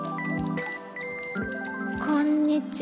「こんにちは。